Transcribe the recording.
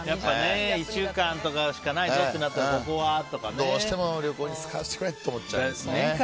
１週間とかしかないぞってなったらどうしても旅行に使うしかないって思っちゃいますね。